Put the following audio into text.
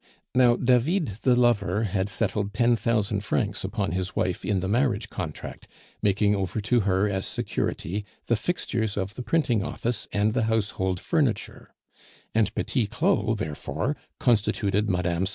Now David the lover had settled ten thousand francs upon his wife in the marriage contract, making over to her as security the fixtures of the printing office and the household furniture; and Petit Claud therefore constituted Mme.